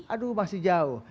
aduh masih jauh